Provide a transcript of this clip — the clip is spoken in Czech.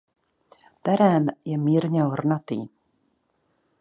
Terén je mírně hornatý.